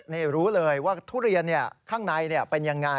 นี่รู้เลยว่าทุเรียนข้างในเป็นยังไง